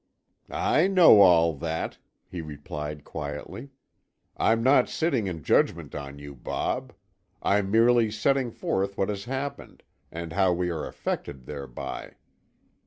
"I know all that," he replied quietly. "I'm not sitting in judgment on you, Bob. I'm merely setting forth what has happened, and how we are affected thereby.